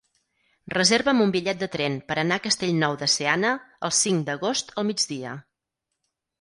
Reserva'm un bitllet de tren per anar a Castellnou de Seana el cinc d'agost al migdia.